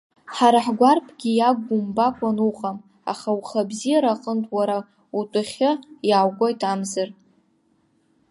Ҳара ҳгәарԥгьы иагу умбакәан уҟам, аха ухы абзиара аҟнытә уара утәахьы иааугоит амзар.